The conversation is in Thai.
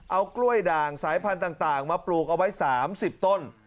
เอากล้วยด่างสายพันธุ์ต่างมาปลูกเอาไว้๓๐ต้น